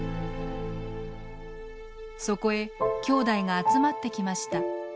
そこへきょうだいが集まってきました。